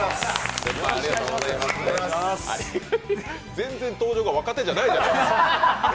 全然登場が若手じゃないじゃないですか！